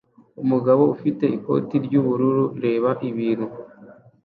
umugabo ufite ikoti ry'ubururu reba ibintu